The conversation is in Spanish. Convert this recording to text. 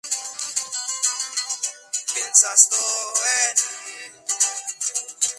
El Duque de Osuna nunca volvería a recobrar la libertad ni ser rehabilitado.